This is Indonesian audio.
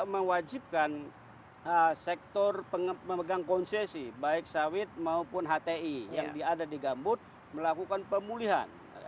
mewajibkan sektor pemegang konsesi baik sawit maupun hti yang diada di gambut melakukan pemulihan